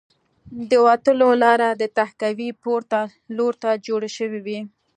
د وتلو لاره د تهکوي پورته لور ته جوړه شوې وه